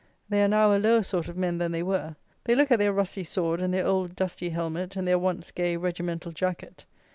They are now a lower sort of men than they were. They look at their rusty sword and their old dusty helmet and their once gay regimental jacket.